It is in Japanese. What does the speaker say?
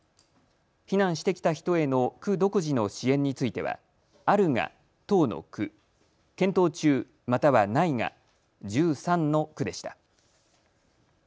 避難してきた人への区独自の支援についてはあるが１０の区、検討中またはないが１３の区でした。